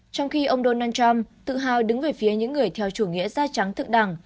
trong khi ông donald trump tự hào đứng về phía những người theo chủ nghĩa da trắng thức đẳng